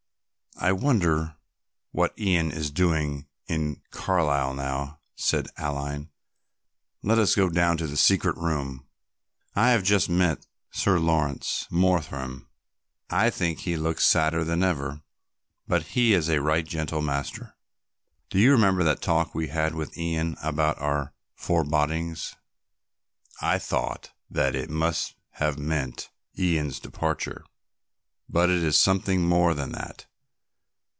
"I wonder what Ian is doing in Carlisle now," said Aline. "Let us go down to the secret room. I have just met Sir Laurence Mortham. I think he looked sadder than ever, but he is a right gentle master. Do you remember that talk we had with Ian about our forebodings? I thought that it must have meant Ian's departure, but it is something more than that.